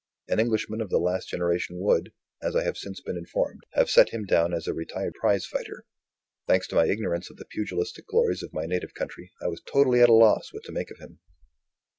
An Englishman of the last generation would, as I have since been informed, have set him down as a retired prize fighter. Thanks to my ignorance of the pugilistic glories of my native country, I was totally at a loss what to make of him.